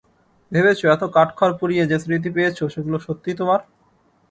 ভেবেছ এত কাঠখড় পুড়িয়ে যে স্মৃতি পেয়েছ, সেগুলো সত্যিই তোমার?